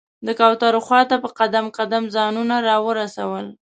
د کوترو خواته په قدم قدم ځانونه راورسول.